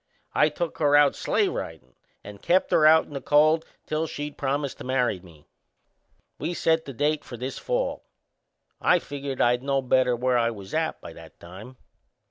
I took her out sleigh ridin' and kept her out in the cold till she'd promised to marry me. We set the date for this fall I figured I'd know better where I was at by that time.